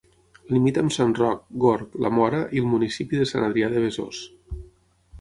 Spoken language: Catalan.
Limita amb Sant Roc, Gorg, La Mora i el municipi de Sant Adrià de Besòs.